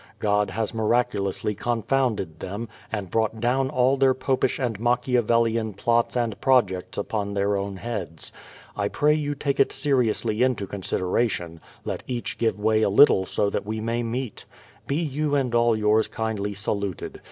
God has miraculously confounded them, and brought down all their popish and Machiavellian plots and projects upon their own heads. ... I pray you take it seriously into consideration ; let each give way a little that we may meet. ... Be you and all yours kindly saluted.